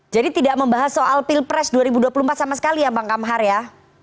jadi tidak membahas soal pilpres dua ribu dua puluh empat sama sekali ya bang kamhar ya